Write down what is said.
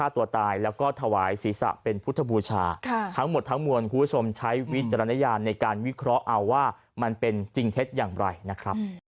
ตัวตายแล้วก็ถวายศีรษะเป็นพุทธบูชาทั้งหมดทั้งมวลคุณผู้ชมใช้วิจารณญาณในการวิเคราะห์เอาว่ามันเป็นจริงเท็จอย่างไรนะครับ